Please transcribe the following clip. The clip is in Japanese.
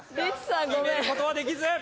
決める事はできず。